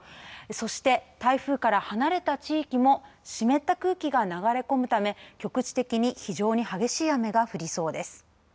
そして、台風から離れた地域も湿った空気が流れ込むため局地的に非常に激しい雨が降りそうです。